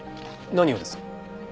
何をです？